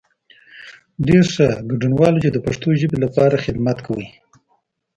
ډېر ښه، ګډنوالو چې د پښتو ژبې لپاره خدمت کوئ.